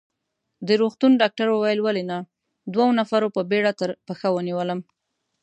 د روغتون ډاکټر وویل: ولې نه، دوو نفرو په بېړه تر پښه ونیولم.